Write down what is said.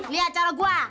lihat cara gua